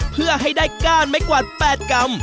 เพื่อให้ได้ก้านไม้กวาด๘กรัม